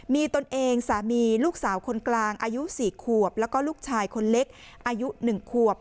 มีตนเองสามีลูกสาวคนกลางอายุ๔ขวบแล้วก็ลูกชายคนเล็กอายุ๑ขวบ